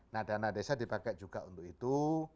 nah dana desa dipakai juga untuk itu